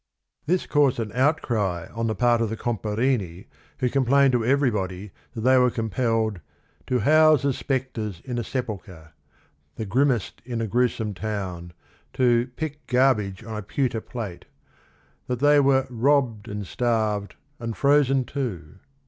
This caused an outcry on the part of the Com parini, who complained to everybody that they were compelled "to house as spectres in a sepul chre," the "grimmest in a gruesome town," to "pick garbage on a pewter plate" — that they were "robbed and starved and frozen too."